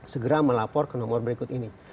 segera melapor ke nomor berikut ini